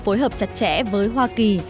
phối hợp chặt chẽ với hoa kỳ